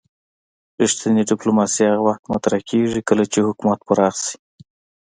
رښتینې ډیپلوماسي هغه وخت مطرح کیږي کله چې حکومت پراخ شي